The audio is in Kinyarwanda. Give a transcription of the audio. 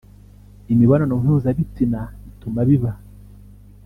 imibonano mpuzabitsina ituma biba